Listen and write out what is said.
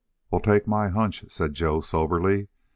"Well, take my hunch," said Joe, soberly.